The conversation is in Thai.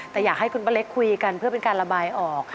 แต่อยากให้คุณป้าเล็กคุยกันเพื่อเป็นการระบายออก